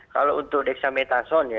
kalau untuk deksamitason ya